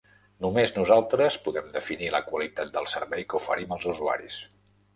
Només nosaltres podem definir la qualitat del servei que oferim als usuaris.